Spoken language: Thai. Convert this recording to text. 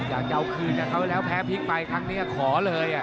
อยากจะเอาคืนกับเขาแล้วแพ้พลิกไปครั้งนี้ขอเลย